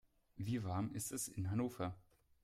Wie warm ist es in Hannover?